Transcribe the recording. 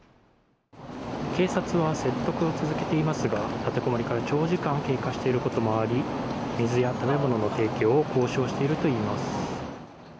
警察は説得を続けていますが立てこもりから長時間経過していることもあり水や食べ物の提供を交渉しているといいます。